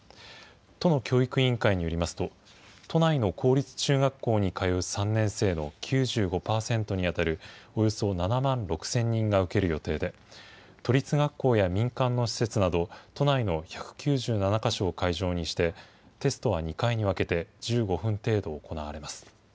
都の教育委員会によりますと、都内の公立中学校に通う３年生の９５％に当たるおよそ７万６０００人が受ける予定で、都立学校や民間の施設など都内の１９７か所を会場にして、テストは２回に分けて１５分程度行われます。